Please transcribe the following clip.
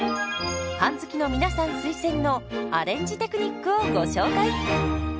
パン好きの皆さん推薦のアレンジテクニックをご紹介。